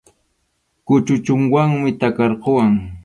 Kuchuchunwanmi takarquwan.